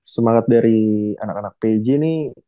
semangat dari anak anak pj ini